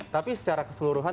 tapi saya ingin menambahkan